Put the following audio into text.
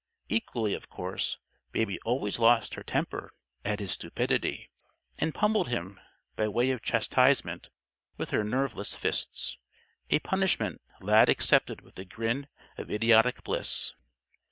Equally, of course, Baby always lost her temper at his stupidity, and pummeled him, by way of chastisement, with her nerveless fists a punishment Lad accepted with a grin of idiotic bliss.